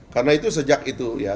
karena itu sejak itu ya